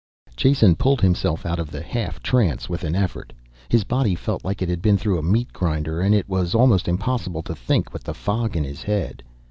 Jason pulled himself out of the half trance with an effort. His body felt like it had been through a meat grinder, and it was almost impossible to think with the fog in his head.